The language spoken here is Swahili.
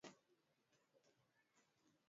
New Generation United Service na New Kings